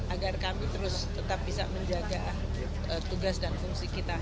agar kami terus tetap bisa menjaga tugas dan fungsi kita